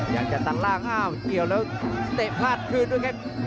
อยากจะตัดล่างอ้าวเกี่ยวแล้วเตะพลาดคืนด้วยครับ